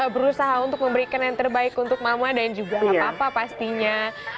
berusaha untuk memberikan yang terbaik untuk mama dan juga papa pastinya